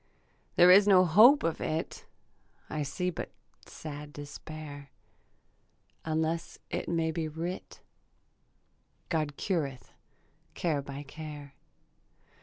There is no hope of it; I see but sad despair, Unless it may be writ God cureth care by care.